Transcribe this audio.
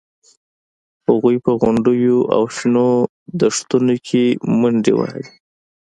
هغوی په غونډیو او شنو دښتونو کې منډې وهلې